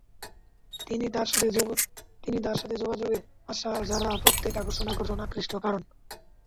তিনি তার সাথে যোগাযোগে আসা যারা প্রত্যেক আকর্ষণ আকর্ষণ আকৃষ্ট কারণ।